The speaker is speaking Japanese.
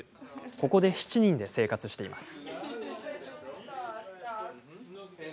ここで７人で生活しています。